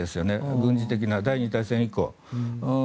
軍事的な、第２次大戦以降で。